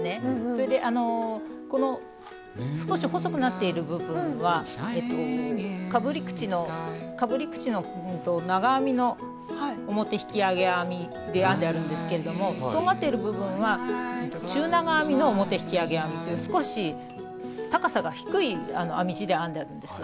それでこの少し細くなっている部分はかぶり口の長編みの表引き上げ編みで編んであるんですけれどもとんがっている部分は中長編みの表引き上げ編みという少し高さが低い編み地で編んであるんです。